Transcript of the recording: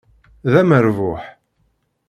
D amerbuḥ!